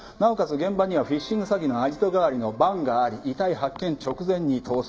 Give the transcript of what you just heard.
現場にはフィッシング詐欺のアジト代わりのバンがあり遺体発見直前に逃走。